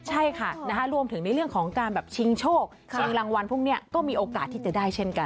ใช่ค่ะรวมถึงในเรื่องของการแบบชิงโชคชิงรางวัลพวกนี้ก็มีโอกาสที่จะได้เช่นกัน